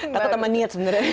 takut sama niat sebenarnya